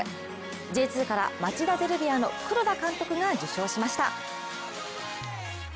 Ｊ２から松田ゼルビアの黒田監督が受賞しました。